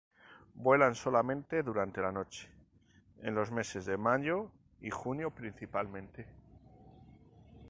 Vuelan solamente durante la noche, en los meses de mayo y junio principalmente.